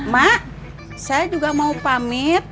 mak saya juga mau pamit